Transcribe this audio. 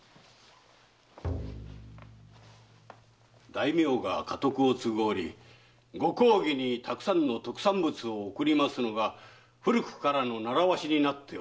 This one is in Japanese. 大名が家督を継ぐおりご公儀にたくさんの特産物を送るのが古くからの習わしになっております。